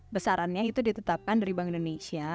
besarannya itu ditetapkan dari bank indonesia